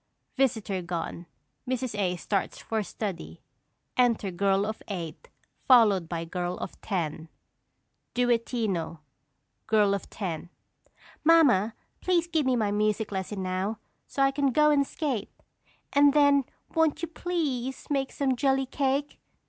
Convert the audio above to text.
[Visitor gone; Mrs. A. starts for study. Enter Girl of Eight followed by Girl of Ten.] Duettino. Girl of Ten. Mamma, please give me my music lesson now, so I can go and skate; and then won't you please make some jelly cake?